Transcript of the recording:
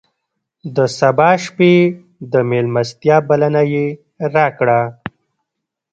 د سبا شپې د مېلمستیا بلنه یې راکړه.